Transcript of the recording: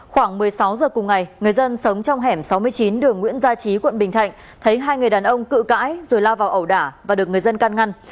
khoảng một mươi sáu giờ cùng ngày người dân sống trong hẻm sáu mươi chín đường nguyễn gia trí quận bình thạnh thấy hai người đàn ông cự cãi rồi lao vào ẩu đả và được người dân can ngăn